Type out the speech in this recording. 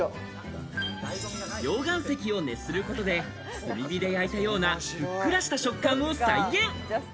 溶岩石を熱することで、炭火で焼いたようなふっくらした食感を再現。